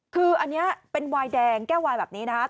คืออันนี้เป็นวายแดงแก้ววายแบบนี้นะคะ